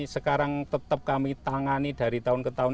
sekarang tetap kami tangani dari tahun ke tahun